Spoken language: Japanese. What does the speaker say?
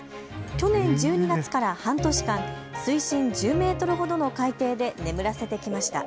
去年１２月から半年間、水深１０メートルほどの海底で眠らせてきました。